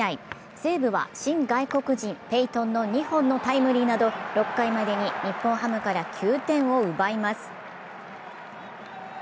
西武は新外国人・ペイトンの２本のタイムリーなど６回までに日本ハムから９点を奪います。